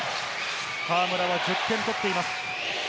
河村は１０点取っています。